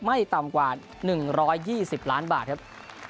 ไม่ต่ำกว่า๑๒๐ล้านบาทครับ